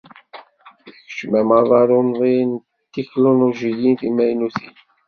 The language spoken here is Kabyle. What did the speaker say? Tekcem amaḍal umḍin d tetiknulujiyin timaynutin.